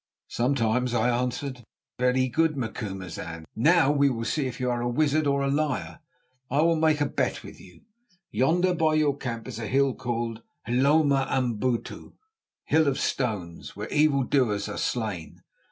"Sometimes," I answered. "Very good, Macumazahn. Now we will see if you are a wizard or a liar. I will make a bet with you. Yonder by your camp is a hill called 'Hloma Amabutu,' a hill of stones where evildoers are slain.